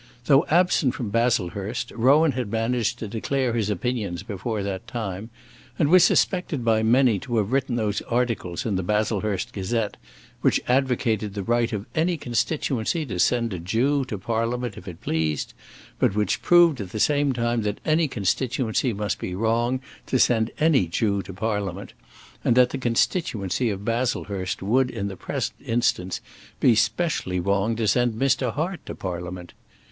Though absent from Baslehurst Rowan had managed to declare his opinions before that time, and was suspected by many to have written those articles in the "Baslehurst Gazette" which advocated the right of any constituency to send a Jew to Parliament if it pleased, but which proved at the same time that any constituency must be wrong to send any Jew to Parliament, and that the constituency of Baslehurst would in the present instance be specially wrong to send Mr. Hart to Parliament.